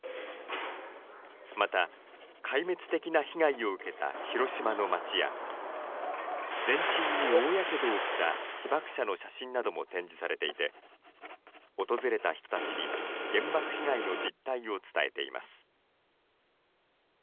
また、壊滅的な被害を受けた広島の街や、全身に大やけどをした被爆者の写真なども展示されていて、訪れた人たちに原爆被害の実態を伝えています。